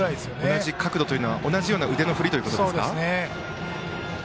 同じ角度というのは同じような腕の振りということですね。